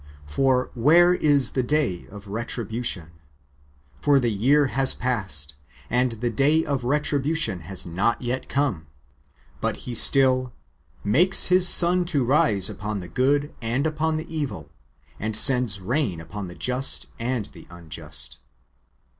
For where is the day of retribution ? For the year has passed, and the day of retribution has not yet come; but He still "makes His sun to rise upon the good and upon the evil, and sends rain upon the just and the unjust."